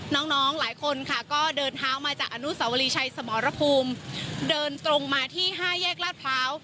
น้องน้องหลายคนค่ะก็เดินเท้ามาจากอนุสาวรีชัยสมรภูมิเดินตรงมาที่ห้าแยกลาดพร้าว